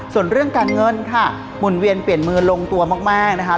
ส่วนเรื่องการเงินค่ะหมุนเวียนเปลี่ยนมือลงตัวมากนะคะ